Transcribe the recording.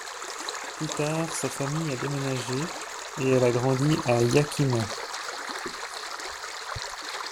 Plus tard, sa famille a déménagé et elle a grandi à Yakima.